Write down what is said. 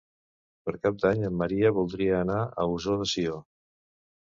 Per Cap d'Any en Maria voldria anar a Ossó de Sió.